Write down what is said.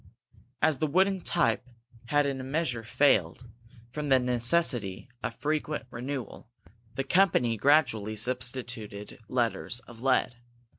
As the wooden type had in a measure failed, from the necessity of frequent renewal, the company gradually substituted letters of lead.